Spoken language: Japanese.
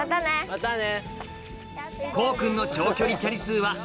またね。